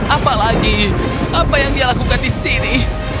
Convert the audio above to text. apalagi apa yang dia lakukan di sini